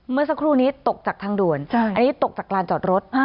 เมื่อสักครู่นี้ตกจากทางด่วนอันนี้ตกจากลานจอดรถ